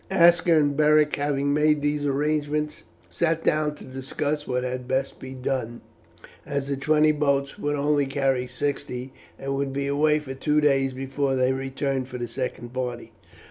Aska and Beric having made these arrangements, sat down to discuss what had best be done, as the twenty boats would only carry sixty, and would be away for two days before they returned for the second party.